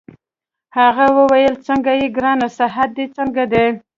هغه وویل: څنګه يې ګرانه؟ صحت دي څنګه دی؟